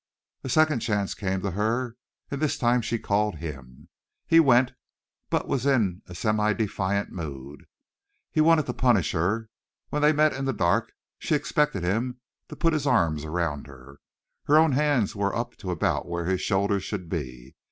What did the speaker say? A second chance came to her and this time she called him. He went, but was in a semi defiant mood. He wanted to punish her. When they met in the dark she expected him to put his arms around her. Her own hands were up to about where his shoulders should be.